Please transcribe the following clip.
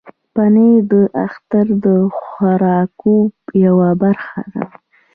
پنېر د اختر د خوراکو یوه برخه ده.